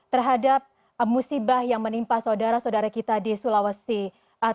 terhadap musibah yang menimpa saudara saudara kita di sulawesi tengah